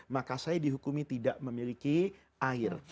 maka saya dihukumi tidak memiliki air